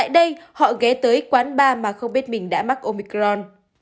tại đây họ ghé tới quán bar mà không biết mình đã mắc omicron